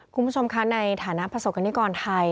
คุณผู้ชมคะในฐานะประสบกรณิกรไทย